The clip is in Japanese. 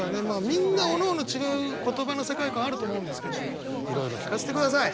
みんなおのおの違う言葉の世界観あると思うんですけどいろいろ聞かせてください。